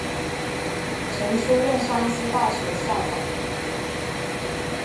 曾出任山西大学校长。